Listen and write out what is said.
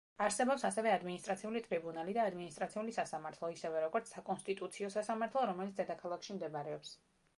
არსებობს ასევე ადმინისტრაციული ტრიბუნალი და ადმინისტრაციული სასამართლო, ისევე, როგორც საკონსტიტუციო სასამართლო, რომელიც დედაქალაქში მდებარეობს.